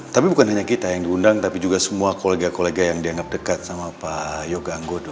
tapi bukan hanya kita yang diundang tapi juga semua kolega kolega yang dianggap dekat sama pak yoga anggodo